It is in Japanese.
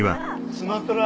スマトラ。